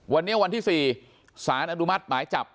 วันนี้วันที่๔สารอนุมัติหมายจับ